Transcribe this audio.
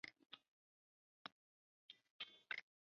圣欧班德布瓦。